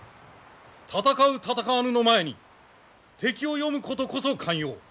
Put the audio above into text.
戦う戦わぬの前に敵を読むことこそ肝要。